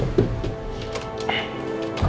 terima kasih pak